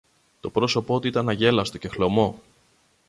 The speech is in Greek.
Το πρόσωπο του ήταν αγέλαστο και χλωμό.